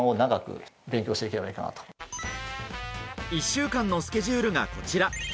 １週間のスケジュールがこちら。